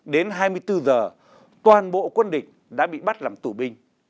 đến hai mươi bốn giờ toàn bộ quân địch đã bị bắt làm tù binh